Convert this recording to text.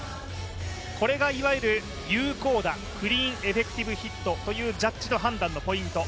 これがいわゆる有効打クリーンエフェクティブヒットというジャッジのポイント。